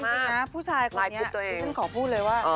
จริงนะผู้ชายคนนี้ที่ฉันขอพูดเลยว่า